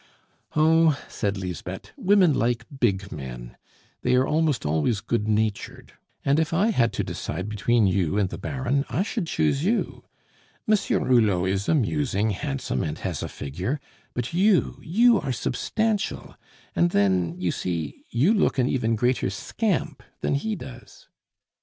"Oh," said Lisbeth, "women like big men; they are almost always good natured; and if I had to decide between you and the Baron, I should choose you. Monsieur Hulot is amusing, handsome, and has a figure; but you, you are substantial, and then you see you look an even greater scamp than he does."